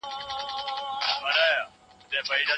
ليکوالان د ټولني د ويښولو مسووليت لري.